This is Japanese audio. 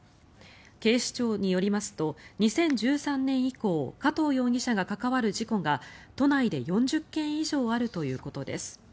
警視庁によりますと２０１３年以降加藤容疑者が関わる事故が都内で４０件以上あるということです。